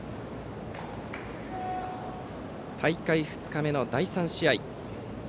大会２日目の第３試合。